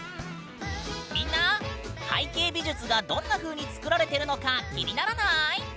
みんな背景美術がどんなふうに作られてるのか気にならない？